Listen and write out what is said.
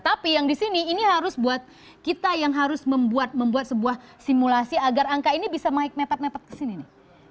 tapi yang di sini ini harus buat kita yang harus membuat sebuah simulasi agar angka ini bisa naik mepet mepet kesini nih